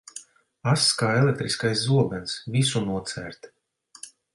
Ass kā elektriskais zobens, visu nocērt.